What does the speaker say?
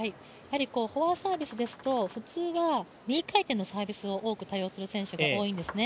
フォアサービスですと普通は右回転のサービスを多用する選手が多いんですね。